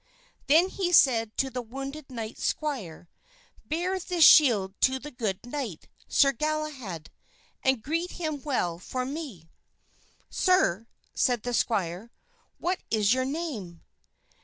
Then he said to the wounded knight's squire, "Bear this shield to the good knight, Sir Galahad, and greet him well for me." "Sir," said the squire, "what is your name?"